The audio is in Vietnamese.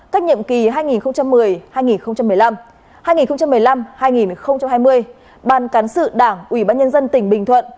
cách nhiệm kỳ hai nghìn một mươi hai nghìn một mươi năm hai nghìn một mươi năm hai nghìn hai mươi ban cán sự đảng ubnd tỉnh bình thuận